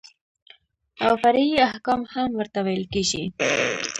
او فرعي احکام هم ورته ويل کېږي.